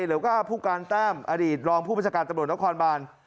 หรือว่าผู้การตั้มอดีตรองผู้บัญชาการตะบลต์และความบ้าน